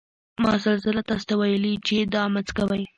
ما سل ځله تاسې ته ویلي چې دا مه څکوئ.